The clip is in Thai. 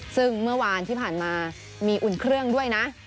ซึ่งเมื่อวานที่ผ่านมามีอุ่นเครื่องด้วยนะ